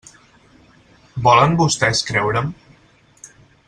Volen vostès creure'm?